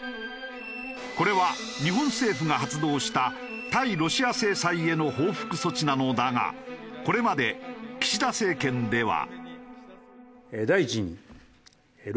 これは日本政府が発動した対ロシア制裁への報復措置なのだがこれまで岸田政権では。